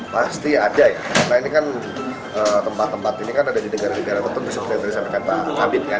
pasti ada ya karena ini kan tempat tempat ini kan ada di negara negara tentu bisa berkata kata ambil kan